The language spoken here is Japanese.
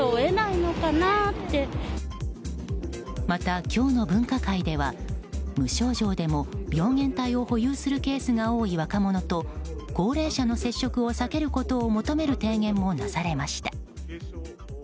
また今日の分科会では無症状でも病原体を保有するケースが多い若者と高齢者の接触を避けることを求める提言も出されました。